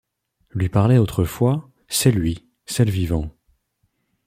Lui parlaient autrefois. C’est-lui ! C’est le vivant.